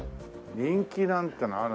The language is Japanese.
人気なんていうのある。